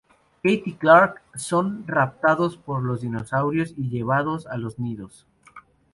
Kate y Clarke son raptados por los dinosaurios y llevados a los nidos.